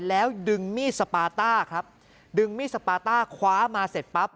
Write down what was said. แล้วดึงมีดสปาต้าครับดึงมีดสปาต้าคว้ามาเสร็จปั๊บ